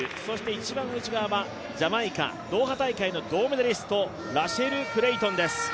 一番内側はジャマイカドーハ大会の銅メダリストラシェル・クレイトンです。